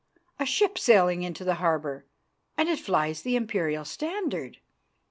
A ship sailing into the harbour, and it flies the Imperial standard."